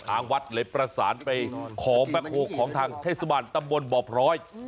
ทางวัดเลยประสานไปขอแบ็คโฮลของทางเทศบาลตำบลบ่อพร้อย